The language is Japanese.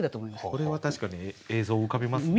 これは確かに映像浮かびますね。